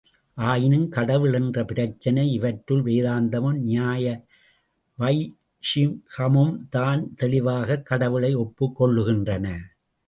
ஆயினும் கடவுள் என்ற பிரச்சினை இவற்றுள் வேதாந்தமும், நியாய வைஷிகமும்தான் தெளிவாகக் கடவுளை ஒப்புக் கொள்ளுகின்றன.